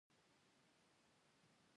د کارګر سترګې په څراغ کې نښتې وې او لړزېده